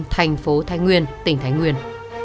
thành phố thái nguyên tỉnh thái nguyên